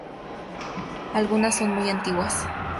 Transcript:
Algunas son muy antiguas.